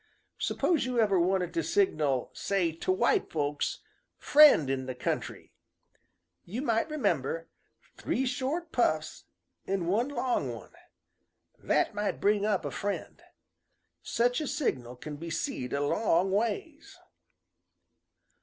S'pose you ever wanted to signal, say to white folks, 'Friend in the country,' you might remember three short puffs an' one long one. That might bring up a friend. Sech a signal can be seed a long ways."